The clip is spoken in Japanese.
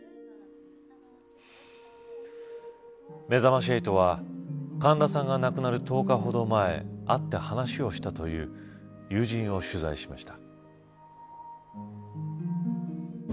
めざまし８は神田さんが亡くなる１０日ほど前会って話をしたという友人を取材しました。